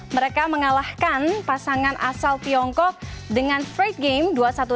mereka mengalahkan pasangan asal tiongkok dengan freight game dua ribu satu ratus enam belas dua ribu satu ratus delapan belas